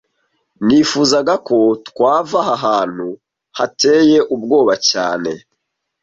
Nifuzaga ko twava aha hantu hateye ubwoba cyane